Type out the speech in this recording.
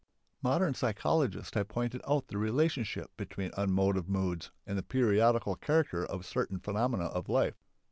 Modern psychologists have pointed out the relationship between unmotived moods and the periodical character of certain phenomena of life.